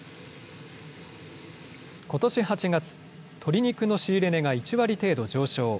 ことし８月、鶏肉の仕入れ値が１割程度上昇。